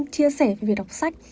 chia sẻ về đọc sách